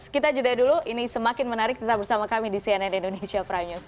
kita jeda dulu ini semakin menarik tetap bersama kami di cnn indonesia prime news